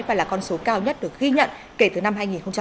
và là con số cao nhất được ghi nhận kể từ năm hai nghìn một mươi